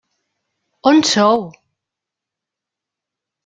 On sou?